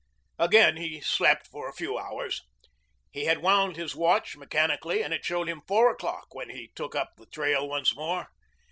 Again he slept for a few hours. He had wound his watch mechanically and it showed him four o'clock when he took up the trail once more.